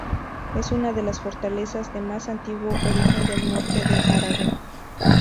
Es una de las fortalezas de más antiguo origen del norte de Aragón.